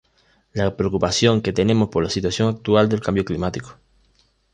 la preocupación que tenemos por la situación actual del Cambio Climático